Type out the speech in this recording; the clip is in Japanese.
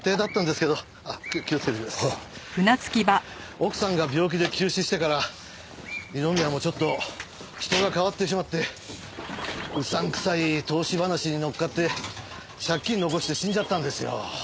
奥さんが病気で急死してから二宮もちょっと人が変わってしまってうさんくさい投資話にのっかって借金残して死んじゃったんですよ。